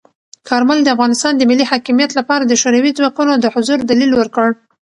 کارمل د افغانستان د ملی حاکمیت لپاره د شوروي ځواکونو د حضور دلیل ورکړ.